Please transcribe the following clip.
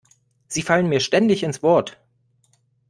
Sie fallen mir ständig ins Wort.